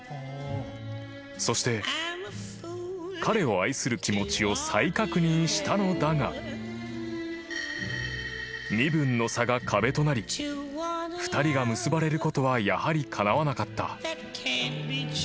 ［そして彼を愛する気持ちを再確認したのだが身分の差が壁となり２人が結ばれることはやはりかなわなかった］